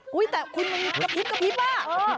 คุณกระพรีปอ้าว